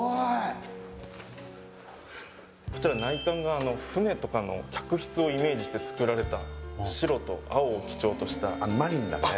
こちら内観があの船とかの客室をイメージしてつくられた白と青を基調としたあのあっマリンだね